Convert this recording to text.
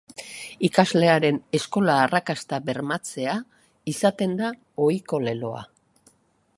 Ikaslearen eskola-arrakasta bermatzea izaten da ohiko leloa.